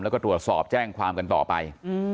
แล้วก็ตรวจสอบแจ้งความกันต่อไป